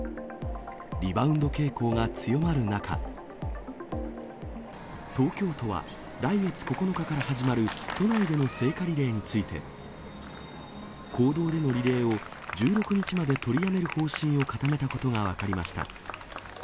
リバウンド傾向が強まる中、東京都は、来月９日から始まる都内での聖火リレーについて、公道でのリレーを１６日まで取りやめる方針を固めたことが分かりました。